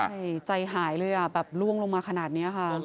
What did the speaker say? ใช่ใจหายเลยอ่ะแบบล่วงลงมาขนาดนี้ค่ะ